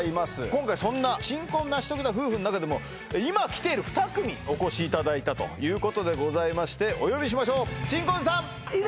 今回そんな珍婚を成し遂げた夫婦の中でも今きている２組お越しいただいたということでございましてお呼びしましょうきた！